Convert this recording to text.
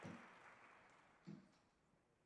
公主和李继崇的婚姻不愉快。